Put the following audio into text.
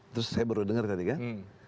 terus saya baru dengar tadi kan